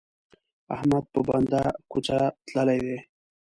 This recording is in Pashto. احمد په بنده کوڅه تللی دی.